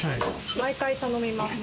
毎回頼みます。